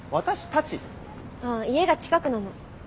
あ家が近くなの。